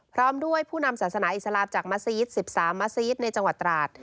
พร้อมด้วยผู้นำศาสนาอิสลามจากมัศยิต๑๓มัสซีดในจังหวัดตราด